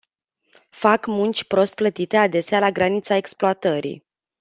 Fac munci prost plătite adesea la granița exploatării.